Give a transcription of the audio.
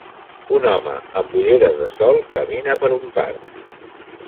Un home amb ulleres de sol camina per un parc.